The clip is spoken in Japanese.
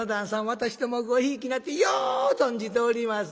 私ども御贔屓になってよう存じております。